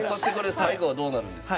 最後はどうなるんですか？